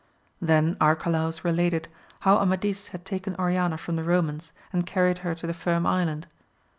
Then Arcalaus related how Amadis had taken Oriana from the Eomans, and carried her to the Firm Island.